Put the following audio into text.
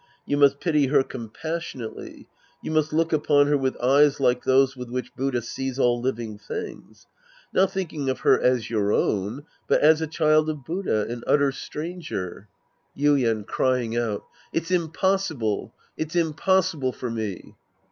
You must pity her compassionately. You must look upon her with eyes like those with which Buddha sees all living things. Not thinking of her as your own, but as a cliild of Buddha, an utter stranger — Sc. II The Priest and His Disciples 213 Yuien {crying out). It's impossible. It's impos sible for me.